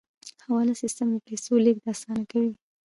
حواله سیستم د پیسو لیږد اسانه کوي